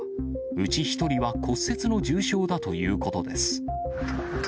うち１人は骨折の重傷だということです。